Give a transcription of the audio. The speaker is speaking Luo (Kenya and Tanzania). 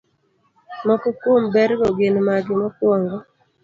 Moko kuom bergo gin magi: Mokwongo,